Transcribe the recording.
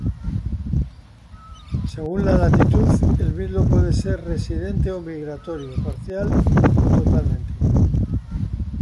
Según la latitud, el mirlo puede ser residente o migratorio, parcial o totalmente.